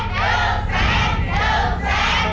๑แสน